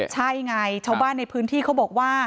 ใช่ไงชาวบ้านในพื้นที่เขาบอกว่า